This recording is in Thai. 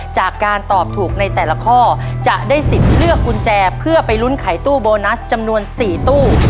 จากการตอบถูกในแต่ละข้อจะได้สิทธิ์เลือกกุญแจเพื่อไปลุ้นไขตู้โบนัสจำนวน๔ตู้